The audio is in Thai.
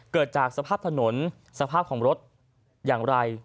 เกิดจากสภาพถนนสภาพของรถอย่างไร